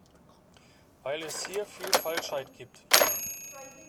Weil es hier viel Falschheit gibt.